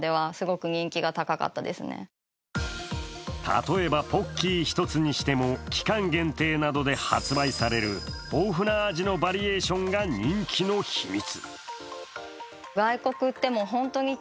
例えばポッキー１つにしても期間限定などで発売される豊富な味のバリエーションが人気の秘密。